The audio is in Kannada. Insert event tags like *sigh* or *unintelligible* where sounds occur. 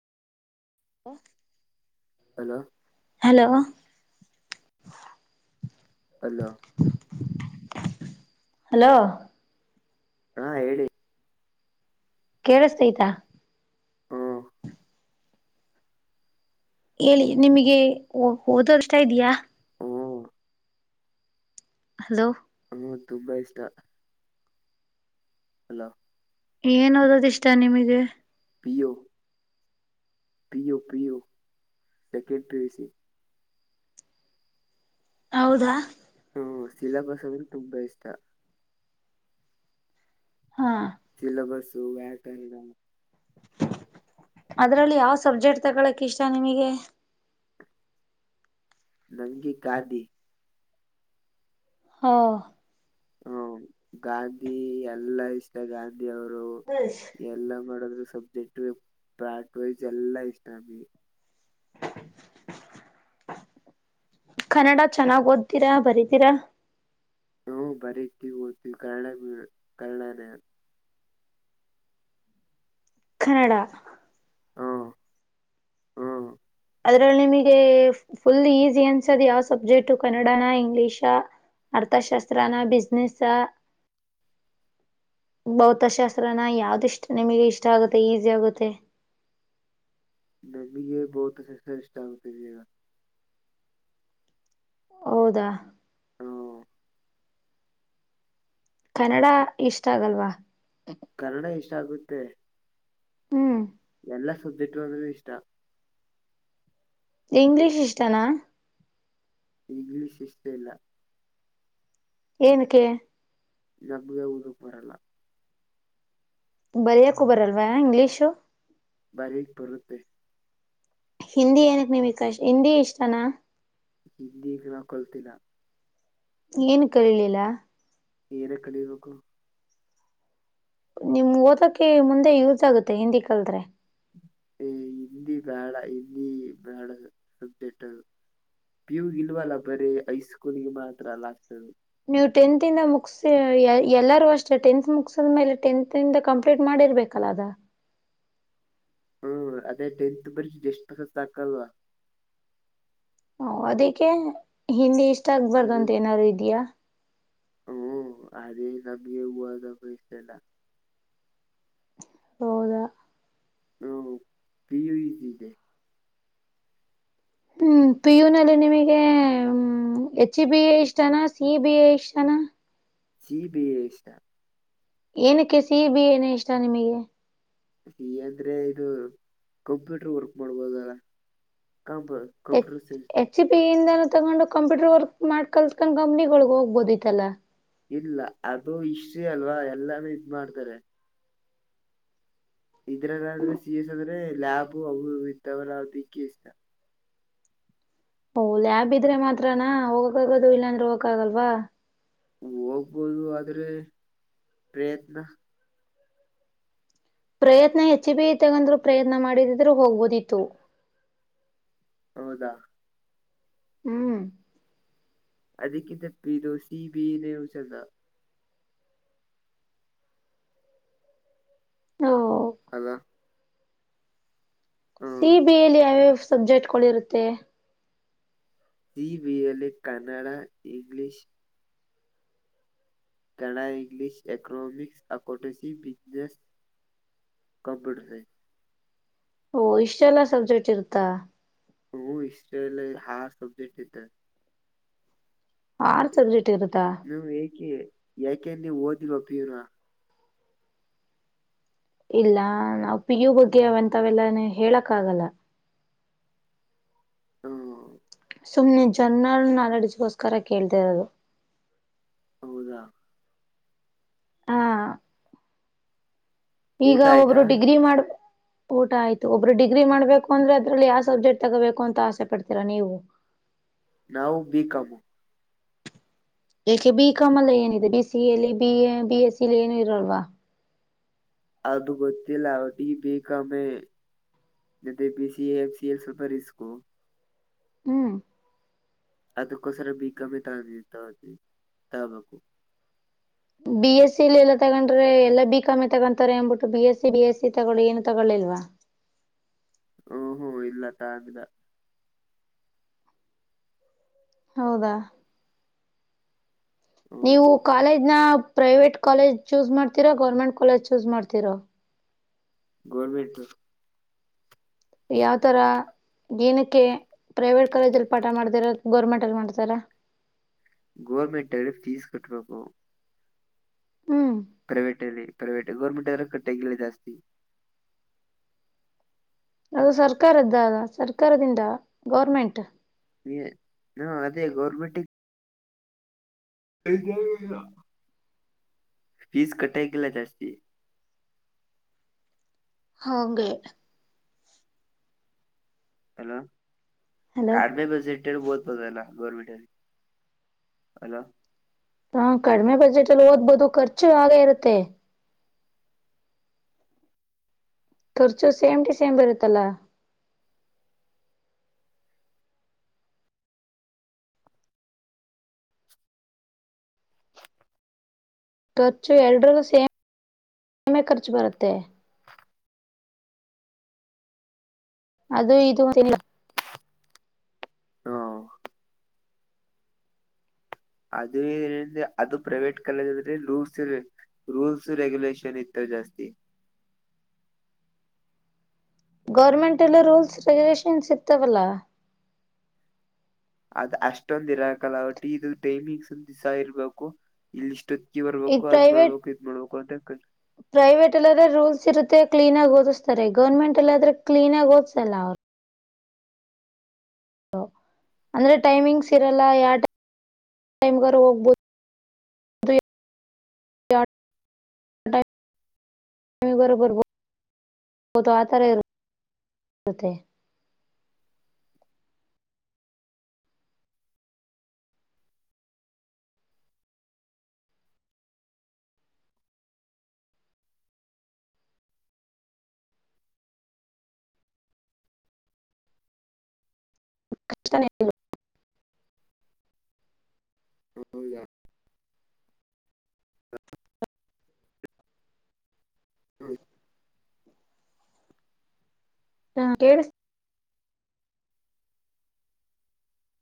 *inaudible* Hello hello. Hello hello. ಹಾ ಹೇಳಿ. ಕೇಳ್ಸ್ತಾ ಆಯ್ತಾ. ಹ್ಮ. ಹೇಳಿ ನಿಮಗೆ ಓದೋದು ಇಷ್ಟಇದ್ಯಾ. ಹ್ಮ್ ಹಲೋ. ಹ್ಮ ತುಂಬಾ ಇಷ್ಟ. ಹಲೋ. ಏನ್ ಓದೋದು ಇಷ್ಟ ನಿಮಗೆ. P U. P U P U second P U C. ಹೌದಾ. ಹ್ಮ ಸಿಲಬಸ್ ಅಂದ್ರೆ ತುಂಬಾ ಇಷ್ಟ. ಹಾ. ಸಿಲ್ಲಬಸ್ ವಾಕರ್ಣ. ಅದ್ರಲ್ಲಿ ಯಾವ ಸಬ್ಜೆಕ್ಟ್ ತಗಳಕೆ ಇಷ್ಟ ನಿಮಗೆ. ನನಗೆ. *inaudible* ಹಾ. ಹ್ಮ ಗಾಂಧಿ ಎಲ್ಲಾ ಇಷ್ಟ ಗಾಂಧಿ. *inaudible* ಮಾಡೋದ ಸಬ್ಜೆಕ್ಟ್ ಪ್ರಾಟ್ ವೈಸ್ ಎಲ್ಲಾ ಇಷ್ಟ. ಕನ್ನಡ ಚೆನ್ನಾಗ್ ಓದತೀರಾ ಬರಿತೀರಾ. ಬರ್ತೀನಿ ಓತೀನಿ ಕನ್ನಡ ಮೇಡಂ ಕನ್ನಡ ನೆ. ಕನ್ನಡ. ಹ್ಮ್ ಹ್ಮ್ ಅದ್ರಲ್ಲಿ ನಿಮಗೆ ಫುಲ್ ಈಸಿ ಅನ್ಸದ್ ಯಾವ ಸಬ್ಜೆಕ್ಟು ಕನ್ನಡಾನ ಇಂಗ್ಲಿಷ ಅರ್ಥಶಾಸ್ತ್ರಾನ ಬಿಸ್ನೆೆಸ್ ಭೌತಶಾಸ್ತ್ರನಾ ಯಾವ್ದಿಷ್ಟ ನಿಮಗೆ ಇಷ್ಟ ಆಗುತ್ತೆ ಈಸಿ ಆಗುತ್ತೆ. ನನಗೆ ಭೌತಶಾಸ್ತ್ರ ಇಷ್ಟ ಆಗ್ತಾ ಇದೆ. ಹೌದಾ. ಹ್ಮ್ ಕನ್ನಡ ಇಷ್ಟ ಆಗಲ್ವಾ. ಕನ್ನಡ ಇಷ್ಟ ಆಾಗುತ್ತೆ. ತೇ. ಹ್ಮ್. ಎಲ್ಲಾ ಸಬ್ಜೆಕ್ಟು ಅಂದರೆ ಇಷ್ಟ. ಇಂಗ್ಲೀಷ್ ಇಷ್ಟನಾ. ಇಂಗ್ಲೀಷ್ ಇಷ್ಟ ಇಲ್ಲ. ಏನಕ್ಕೆ. ನಮಗೆ ಓದೋಕೆ ಬರಲ್ಲ. ಬರಿಯಕು ಬರಲ್ವಾ ಇಂಗ್ಲೀಶು. ಬರಿಯಾಕ್ ಬರುತ್ತೆ. ಹಿಂದಿ ಏನಕ್ ನಿಮ ಕಶ್ ಹಿಂದಿ ಇಷ್ಟನಾ. ಹಿಂದಿ ನಾನು ಕಲಿತಿಲ್ಲ. ಏನುಕೆ ಕಲಿಲಿಲ್ಲ. ಏನಕೆ ಕಲಿಬೇಕು. ನಿಮ್ ಓದಕ್ಕೆ ಮುಂದೆ ಯೂಸ್ ಆಗುತ್ತೆ ಹಿಂದಿ ಕತ್ರೆ. ಏ ಹಿಂದಿ ಬೇಡ ಹಿಂದಿ ಬೇಡ ಸಬ್ಜೆಕ್ಟ್ ಅದು ಪಿ ಯು ಇಲ್ವಲ್ಲ ಬರೀ ಐ ಸ್ಕೂಲ್ಗೆ ಮಾತ್ರ ಲಾಸ್ಟ್ ಅದು. ನೀವು ಟೆಂತ್ಂದ ಮುಕ್ಸ ಎಲ್ಲಾರೂ ಅಷ್ಟೇ ಟೆಂತ್ ಮುಕ್ಸಿದ್ಮೇಲೆ ಟೆಂತ್ಂದ ಕಂಪ್ಲೀಟ್ ಮಾಡಿರ್ಬೇಕಲ್ಲ ಅದ. ಹ್ಮ್ ಅದೇ ಟೆಂತ್ ಬರೀ ಜಾಸ್ಟ್ ಪಾಸ್ ಸಾಕಲ್ವ. ಹ ಅದಕ್ಕೆ ಹಿಂದಿ ಇಷ್ಟ. ಇಷ್ಟ ಆಗ್ಬಾರ್ದು ಅಂತ ಏನಾದ್ರು ಇದ್ಯಾಾ. ಹು ಅದು ನಮಗೆ ಓದೋಕು ಇಷ್ಟ ಇಲ್ಲ. ಹೌದ. ಹು ಪಿ ಯು ಎಸಯ್ ಇದೆ. ಹ್ಮ್ ಪಿ ಯು ಅಲ್ಲಿ ನಿಮಗೆ ಹೆಚ್ ಈ ಬಿ ಎ ಇಷ್ಟ ನಾ ಸಿ ಈ ಬಿ ಎ ಇಷ್ಟ ನಾ. ಸಿ ಈ ಬಿ ಹೇ ಇಷ್ಟ. ಏನಕ್ಕೆ ಸಿ ಈ ಬಿ ಏನ ಇಷ್ಟ ನಿಮಗೆ. ಅಂದ್ರೆ ಇದು ಕಂಪ್ಯೂಟರ್ ವರ್ಕ್ ಮಾಡ್ಬೋದಲ್ಲ. ಕಂಬ ಕಂಪ್ಯಟ ಸೈನ್ಸ್. ತಗೊಂಡ್ ಕಂಪ್ಯೂಟರ್ ವರ್ಕ್ ಮಾಡ್ ಕಲ್ಸ್ಕೊಂಡ್ ಕಂಪ್ಗಳಗ್ ಹೋಗ್ಬೋದಿತ್ತಾ. ಇಲ್ಲ ಅದು ಇಷ್ಟ್ರಿ ಅಲ್ವಾ ಎಲ್ಲಾನು ಇದ ಮಾಡ್ತಾರೆ. ಇದ್ರಲ್ಲ ಆದ್ರೆ ಸಿ ಎಸ್. ಅಂದೇ ಲಾಭ ಅವು ಇವು ಇರ್ತವೆ ಅದಕೆ ಇಷ್ಟ. ಓ ಲ್ಯಾಬ್ ಇದ್ರೆ ಮಾತ್ರನಾ ಹೋಗಕ್ಕಗದು ಇಲ್ಲಾಂದ್ರೆ ಹೋಗಕ್ ಆಗಲ್ವಾ. ಹೋಗ್ಬೋದು ಆದ್ರೆ ಪ್ರಯತ್ನ. ಪ್ರಯತ್ನ ಹೆಚ್ಚು ಬೀ ಹೇ ಮಾಡಿ ತಗಂದ್ರು ಪ್ರಯತ್ನ ಮಾಡಿದಿದ್ರು ಹೋಗ್ಬೋದಿತ್ತು. ಹೌದಾ. ಹ್ಮ್. ಅದಕ್ಕಿಂತ ಇದು ಸಿ ಈ ಬಿ ಹೇ ನೇ ಚಂದ. ನೂ. ಅಲ್ಲ ಸಿ ಹ್ಮ್ ಈ ಬಿ ಹೇ ಅಲ್ಲಿ ಯಾವ್ಯಾವ ಸಬ್ಜೆಕ್ಟ್ಗರುತ್ತೆ. ಸಿ ಈ ಬಿ ಹೇ ಯಲ್ಲಿ Kannada English. Kannada English economics accountancy business computer science. ಓ ಇಷ್ಟೆಲ್ಲಾ ಸಬ್ಜೆಕ್ಟ್ ಇರುತ್ತಾ. ಹ ಇಸ್ಟ್ರಲ್ ಹಾರ್ ಸಬ್ಜೆಕ್ಟ್ ಇದತ. ಆರ್ ಸಬ್ಜೆಕ್ಟ್ ಇರುತಾ. ಏಕೆ ಯಾಕೆ ನೀವ್ ಓಧಿಲ್ವಾ ಪಿ ಯು ನಾ. ಇಲ್ಲ ನಾವ್ ಪಿ ಯು ಬಗೆವಂತಾವೆಲ್ಲಾನ ಹೇಳಕ್ ಆಗಲ್ಲ. ಹೊ. ಸುಮ್ನೆ ಜರ್ರಲ್ ನಾಲೆಡ್ಗೋಸ್ಕರ ಕೇಳ್ತಿರೋದು. ಹೌದಾ. ಹಾ. ಈಗ ಊಟ ಒಬ್ರು ಆಯ್ತಾ ಡಿಗ್ರಿ ಮಾಡ ಊಟ ಆಯ್ತು ಒಬ್ರು ಡಿಗ್ರಿ ಮಾಡ್ಬೇಕು ಅಂದ್ರೆ ಅದ್ರಲ್ಲಿ ಯಾವ ಸಬ್ಜೆಕ್ಟ್ ತಗೋಬೇಕು ಅಂತ ಆಸೆ ಪಡ್ತೀರಾ ನೀವು. ನಾವು ಬಿಕಂಮು. ಯಾಕ್ಕೆ ಬಿ ಕಾಮ್ ಎಲ್ಲ ಏನಿದೆ ಬಿ ಸಿ ಎಲ್ಲಿ ಬಿ ಎಸ್ಸಲ್ಲಿ ಏನು ಇರಲ್ವಾ. ಅದು ಗೊತ್ತಿಲ್ಲ ಒಟ್ಟಿಗೆ B ಕಮ್ಮೆ M B B C A M C A ಸ್ವಲ್ಪ್ ರಿಸ್ಕು. ಹ್ಮ್. ಅದಕ್ಕೋಸ್ಕರ ಬಿಕಂಮ್ಮಿ ತೊಗೋದಿನಿ ತಗಬೇಕು. ಬಿ ಎಸ್ಸಲಿ ಎಲ್ಲ ತಗೊಂಡ್ರೆ ಎಲ್ಲಾ ಬಿ ಕಾಮಿ ತಗೊಂತಾರೆ ಅಂಬಬಿಟ್ಟು ಬಿ ಎಸ್ಸ ಬಿ ಎಸ್ ಸಿ ತಗೊಳ್ಳಿ ಏನು ತಗೊಳ್ಳಳಿಲ್ವಾ. ಹೂ ಹ್ಮ್ ಇಲ್ಲ ತಗೊಂಡ್ ಇಲ್ಲ. ಹೌದಾ. ಹ್ಮ್ ನೀವು ಕಾಲೇಜ್ ನ. ಪ್ರವೇಟ್ ಕಾಲೇಜ್ ಚೂಸ್ ಮಾಡ್ತಿರಾ ಗೌರ್ಮೆಂಟ್ ಕಾಲೇಜ್ ಚೂಸ್ ಮಾಡ್ತಿರೊ. ಗವರ್ನಮೆಂಟ್. ಯಾವ್ತರ ಏನಕ್ಕೆ ಪ್ರವೇಟ್ ಕಾಲೇಜಲ್ಲಿ ಪಾಠ ಮಾಡ್ತರ ಇರೋದು ಗೋರ್ಮೆಂಟ್ ಕಾಲೇಜು ಅಲ್ಲಿ ಮಾಡ್ತಾರ. ಗವರ್ನಮೆಂಟ್ ಅಲ್ಲಿ ಫೀಸ್ ಕಟ್ಟಬೇಕು. ಹ್ಮ್ ಪ್ರವೇಟ್ ಅಲ್ಲಿ. ಪ್ರವೇಟ್ ಗವರ್ನಮೆಂಟ್ ಅಂದ್ರೆ ಕಟ್ಟಿಲ್ಲ ಜಾಸ್ತಿ. ಅದು ಸರ್ಕಾರದ್ದ ಸರ್ಕಾರದಿಂದ ಗೌರ್ಮೆಂಟ್. ಏ ಅದೇ ಗೌರ್ಮೆಂಟಿಗ. *unintelligible* ಫೀಸ್ ಕಟ್ಟಾಯಕಿಲ್ಲ ಜಾಸ್ತಿ. ಹಾಂಗೆ ಹಲೋ. ಹಲೋ ಕಾಡಿಮೆ ಬಜೆಟ್ ಅಲ್ಲಿ ಓದಬಹುದಲ್ಲ ಗೌವರ್ಮೆಂಟ್. *inaudible* ಅಲೋ ಹಾ ಕಡಿಮೆ ಬಜೆಟಲ್ಲಿ ಓದ್ಬೋದು ಖರ್ಚು ಹಾಗೆ ಇರುತ್ತೆ. ಖರ್ಚು ಸೇಮ ಟ ಸೇಮ್ ಬರುತಲ್ಲ. ಖರ್ಚು ಎರಲ್ಡರಿಗೂ ಸೇಮೆ ಖರ್ಚು ಬರುತ್ತೆ. ಅದು ಇದು ಅಂ ನಿಲ್ಲ. ಹ್ಮ್ ಅದೇ ಏನ್ರೆ ಅದು ಪ್ರೈವೇಟ್ ಕಾಲೇಜ ಅ್ರ ರೂಲ್ಸ್ ರೂಲ್ಸ್ ರೆಗ್ಯುಲೇಷನ್ ಇರ್ತ್ತುವ ಜಾಸ್ತಿ. ಗೌರ್ಮೆಂಟ್ ಅಲ್ಲಿ ರೂಲ್ಸ್ ರೆಗ್ಯುಲೇಷನ್ಸ್ ಇರ್ತವಲ್ಲಾ. ಅದ್ ಅಷ್ಟೊಂದ್ ಇರಕಲ್ಲ ಒಟ್ಟಿ ಇದು ಟೈಮಿಂಗ್ಸ್ ಒಂದ ದಿವ್ಸ ಇರ್ಬೇಕು ಇಲ್ಲಿಷ್ಟು. ಇದ್ ಪ್ರೈವಟ್ ಪ್ರೈವಟ್ ಎಲ್ಲ ರೂಲ್ಸ್ ಇರು ಕ್ಲೀನ್ ಆಗಿ ಓದಿಸ್ತಾರೆ ಗೌರ್ಮೆಂಟ್ ಎಲ್ಲಾದ್ರೆ ಕ್ಲಿನ್ ಆಗಿ ಓದ್ಸಲ್ಲ ಅವರು. ಅಂದ್ರೆ ಟೈಮಿಂಗ್ಸ್ ಇರಲ್ಲ *unintelligible* ಹೌದಾ *unintelligible* *inaudible* ಹ ಕೇಳಿಸ್.